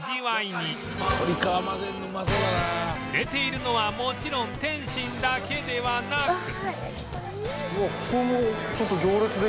売れているのはもちろん点心だけではなく